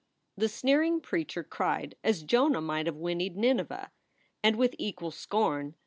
the sneering preacher cried, as Jonah might have whinnied, "Nineveh!" and with equal scorn.